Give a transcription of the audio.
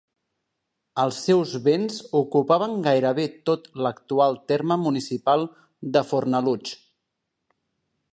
Els seus béns ocupaven gairebé tot l'actual terme municipal de Fornalutx.